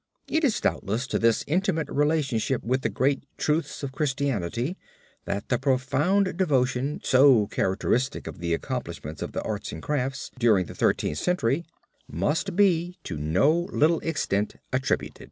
It is doubtless to this intimate relationship with the great truths of Christianity that the profound devotion so characteristic of the accomplishments of the arts and crafts, during the Thirteenth Century, must be to no little extent attributed.